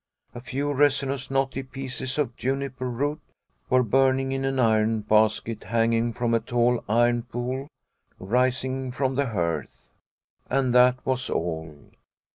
A few resinous, knotty pieces of juniper root were burning in an iron basket hanging from a tall iron pole rising from the hearth, and that was all.